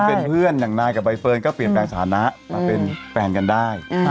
เป็นเพื่อนอย่างนายกับใบเฟิร์นก็เปลี่ยนแปลงสถานะมาเป็นแฟนกันได้